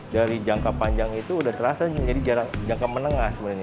dari jangka panjang itu udah terasa jadi jangka menengah sebenarnya